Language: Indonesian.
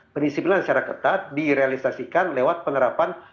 pendisiplinan secara ketat direalisasikan lewat penerapan